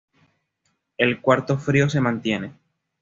El Cuarto Frío se mantiene.